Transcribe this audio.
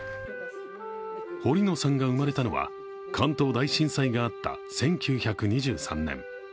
堀野さんが生まれたのは関東大震災があった１９２３年。